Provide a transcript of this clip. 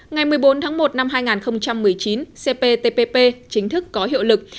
ngày một mươi bốn tháng một năm hai nghìn một mươi chín cptpp chính thức có hiệu lực